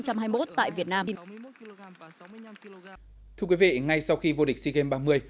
thưa quý vị ngay sau khi vô địch sea games ba mươi